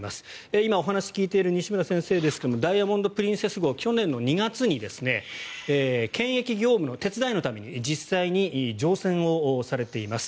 今、お話を聞いている西村先生ですが「ダイヤモンド・プリンセス号」去年の２月に検疫業務の手伝いのために実際に乗船をされています。